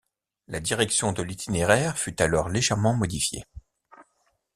La direction de l’itinéraire fut alors légèrement modifiée.